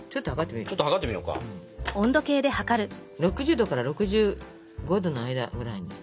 ℃から６５℃の間ぐらいに。